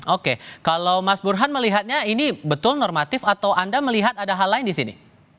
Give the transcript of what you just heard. oke kalau mas burhan melihatnya ini betul normatif atau anda melihat ada hal lain di sini